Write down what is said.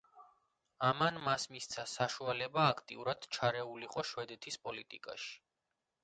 ამან მას საშუალება მისცა, აქტიურად ჩარეულიყო შვედეთის პოლიტიკაში.